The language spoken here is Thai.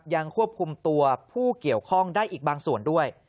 ยังควบคุมตัวผู้เกี่ยวข้องได้อีกบางส่วนด้วย